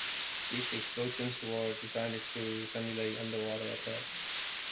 These explosions were designed to simulate underwater attacks.